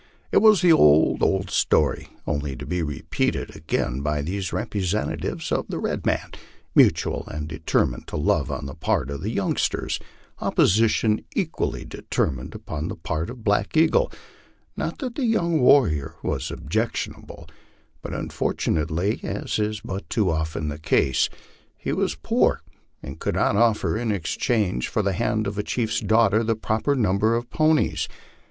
It was the old, old story, only to be repeated again by these representatives of the red man mutual and determined love on 228 MY LIFE ON THE PLAINS. the part of the youngsters, opposition equally determined upon the part of Black Eagle; not that the young warrior was objectionable, but unfortunate ly, as is but too often the case, he was poor, and could not offer in exchange for the hand of a chiefs daughter the proper number of ponies.